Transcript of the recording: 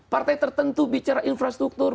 partai tertentu bicara infrastruktur